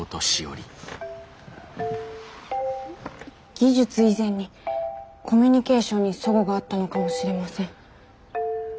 技術以前にコミュニケーションに齟齬があったのかもしれません。